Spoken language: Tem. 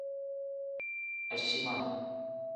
Aciima.